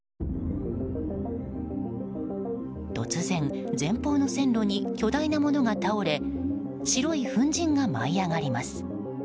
突然、前方の線路に巨大なものが倒れ白い粉じんが舞い上がります。